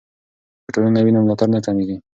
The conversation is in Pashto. که ټولنه وي نو ملاتړ نه کمېږي.